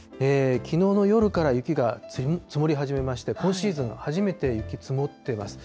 きのうの夜から雪が積もり始めまして、今シーズン初めて雪、積もってます。